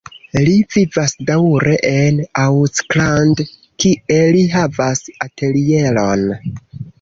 Li vivas daŭre en Auckland, kie li havas atelieron.